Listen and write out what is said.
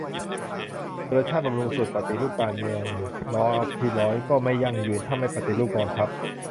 สุรชาติ บำรุงสุข : ปฏิรูปการเมืองรอบที่ร้อยก็ไม่ยั่งยืน ถ้าไม่ปฏิรูปกองทัพ